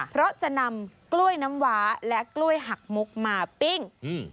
เพราะจะนำกล้วยน้ำวาและกล้วยหักมุกมาปิ้ง